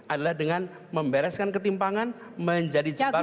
adalah dengan membereskan ketimpangan menjadi jembatan